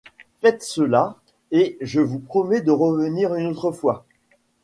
Faites cela et je vous promets de revenir une autre fois.